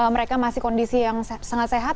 mereka masih kondisi yang sangat sehat